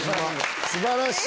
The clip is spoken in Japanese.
素晴らしい！